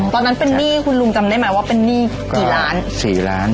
ตอนนั้นเป็นหนี้คุณลุงจำได้ไหมว่าเป็นหนี้กี่ล้านสี่ล้าน